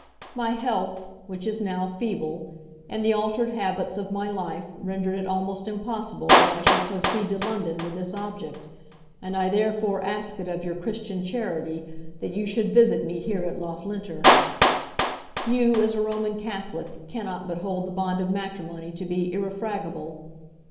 My health, which is now feeble, and the altered habits of my life render it almost impossible that I should proceed to London with this object, and I therefore ask it of your Christian charity that you should visit me here at Loughlinter. You, as a Roman Catholic, cannot but hold the bond of matrimony to be irrefragable.